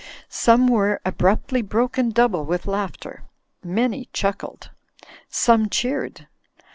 Some were abruptly broken double with laughter. Many chuckled. Some cheered.